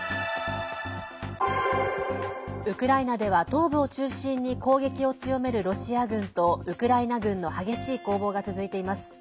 ウクライナでは、東部を中心に攻撃を強めるロシア軍とウクライナ軍の激しい攻防が続いています。